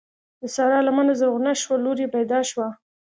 د سارا لمنه زرغونه شوه؛ لور يې پیدا شوه.